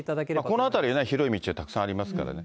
この辺りは広い道がたくさんありますからね。